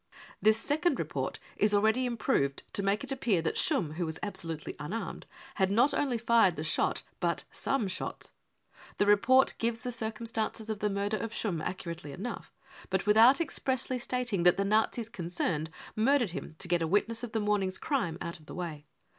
(This second report is already improved to make it appear that Schumm, who was absolutely unarmed, had not only fired the shot, but <c some shots." The report gives the circumstances of the murder of Schumm accurately enough, but without expressly stating that the Nazis concerned murdered him to get a witness of the morning 5 s n crime out of the way.